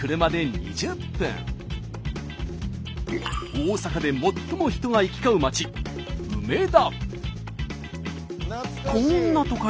大阪で最も人が行き交う街梅田。